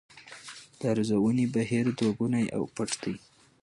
د ارزونې بهیر دوه ګونی او پټ دی.